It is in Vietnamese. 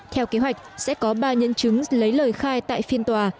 theo kế hoạch sẽ có ba nhân chứng lấy lời khai tại phiên tòa